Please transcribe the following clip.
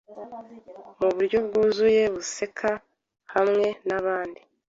mu buryo bwuzuye buseka hamwe nabandi